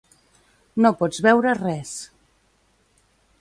No pots veure res.